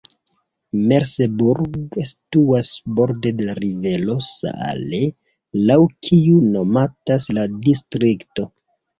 Merseburg situas borde de la rivero Saale, laŭ kiu nomatas la distrikto.